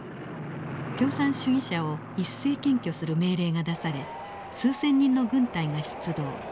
共産主義者を一斉検挙する命令が出され数千人の軍隊が出動。